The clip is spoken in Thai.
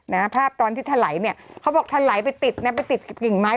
นะฮะภาพตอนที่ถลายเนี่ยเขาบอกถลายไปติดนะไปติดกับกิ่งไม้